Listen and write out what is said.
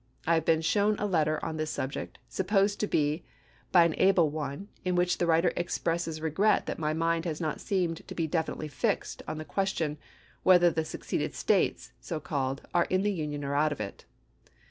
I have been shown a letter on this subject, supposed to be an able one, in which the writer expresses regret that my mind has not seemed to be definitely fixed on the question 460 ABEAHAM LINCOLN chap. xix. whether the seceded States, so called, are in the Union or out of it.